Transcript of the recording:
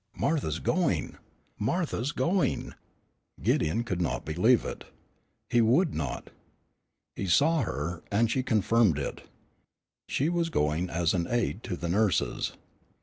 Martha going! Martha going! Gideon could not believe it. He would not. He saw her, and she confirmed it. She was going as an aid to the nurses.